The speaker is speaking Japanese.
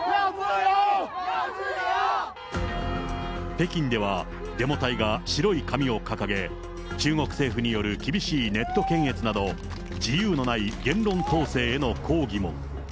北京では、デモ隊が白い紙を掲げ、中国政府による厳しいネット検閲など、自由のない言論統制への抗議も。